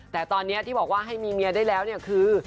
แต่ตอนนี้ที่บอกว่าให้มีเมียได้แล้วเนี่ยคือ